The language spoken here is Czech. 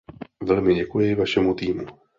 Velmi děkuji vašemu týmu.